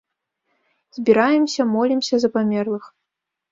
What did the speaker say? Збіраемся, молімся за памерлых.